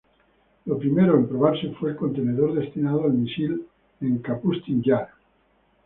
Lo primero en probarse fue el contenedor destinado al misil en Kapustin Yar.